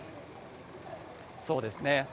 そうですね。